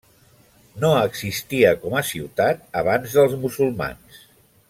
No existia com a ciutat abans dels musulmans.